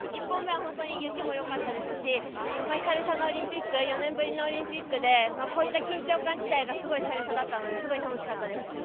１本目は本当に雪もよかったですし久々のオリンピック４年ぶりのオリンピックでこういった緊張感自体が久々だったのですごく楽しかったです。